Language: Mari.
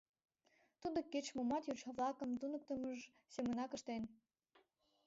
Тудо кеч-момат йоча-влакым туныктымыж семынак ыштен.